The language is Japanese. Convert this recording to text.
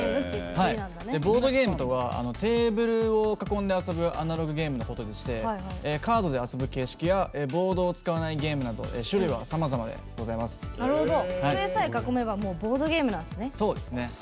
ボードゲームとはテーブルを囲んで遊ぶアナログゲームのことでしてカードで遊ぶ形式やボードを使うものなど机さえ囲めばボードゲームなんですね。